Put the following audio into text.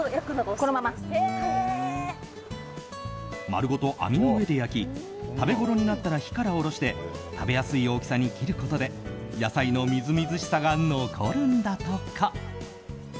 丸ごと網の上で焼き食べごろになったら火から下ろして食べやすい大きさに切ることで野菜のみずみずしさが残るんだとか。